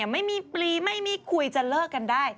ไม่มีปลีไม่มีคุยจะเลิกกันได้